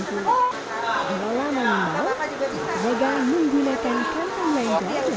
pengelola menunggu jaga menggunakan kantong yang bergiram antara kandungan dan kandungan yang bergantung